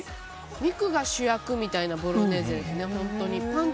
肉が主役みたいなボロネーゼですね。